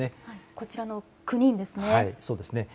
こちらの９人ですね。